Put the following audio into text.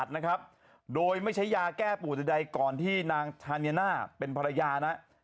จนขาดนะครับโดยไม่ใช้ยาแก้ปุ่นใดก่อนที่นางทาเนียน่าเป็นภรรยาน่ะ